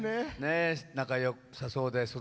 仲よさそうで。